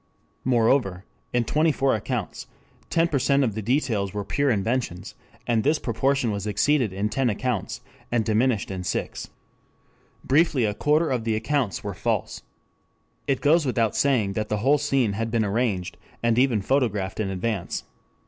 Moreover in twenty four accounts 10% of the details were pure inventions and this proportion was exceeded in ten accounts and diminished in six. Briefly a quarter of the accounts were false. "It goes without saying that the whole scene had been arranged and even photographed in advance.